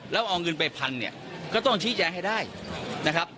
แล้วเอาเงินไปพันเนี่ยก็ต้องชี้แจงให้ได้นะครับ